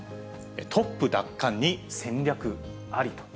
トップ奪還に戦略ありと。